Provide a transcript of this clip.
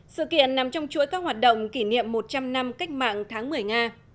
sự kiện nằm trong chuỗi các hoạt động kỷ niệm một trăm linh năm cách mạng tháng một mươi nga